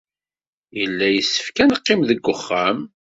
Yella yessefk ad neqqim deg wexxam.